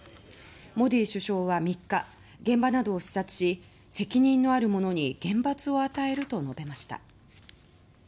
モディ首相は３日現場などを視察し責任のある者に厳罰を与えると述べました。